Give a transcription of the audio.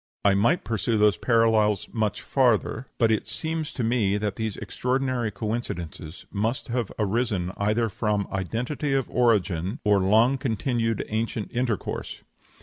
I might pursue those parallels much farther; but it seems to me that these extraordinary coincidences must have arisen either from identity of origin or long continued ancient intercourse.